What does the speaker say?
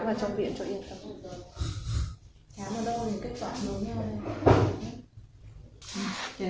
khám ở đâu thì kết quả nối nhau đây